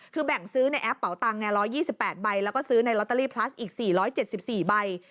คือแบ่งซื้อในแอปเป่าตัง๑๒๘ใบแล้วก็ซื้อในลอตเตอรี่พลัสอีก๔๗๔ใบ